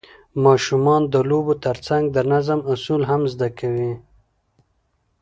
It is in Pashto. ماشومان د لوبو ترڅنګ د نظم اصول هم زده کوي